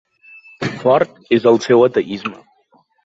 Fort és el seu ateisme.